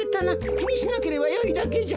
きにしなければよいだけじゃ。